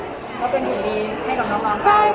ก็เป็นอยู่ดีให้กับน้องกัน